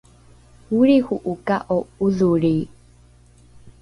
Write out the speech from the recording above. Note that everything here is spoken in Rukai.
olriho’oka’o ’odholri?